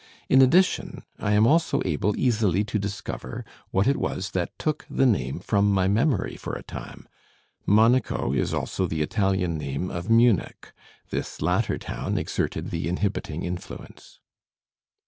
In addition, I am also able easily to discover what it was that took the name from my memory for a time. Monaco is also the Italian name of Munich; this latter town exerted the inhibiting influence.